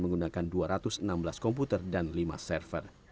menggunakan dua ratus enam belas komputer dan lima server